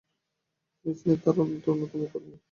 তিনি ছিলেন তার অন্যতম কর্মী।